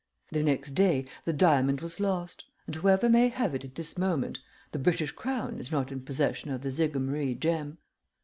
The next day the diamond was lost, and whoever may have it at this moment, the British Crown is not in possession of the Jigamaree gem.